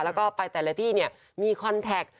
แล้วก็ไปแต่ละที่มีคอนแท็กต์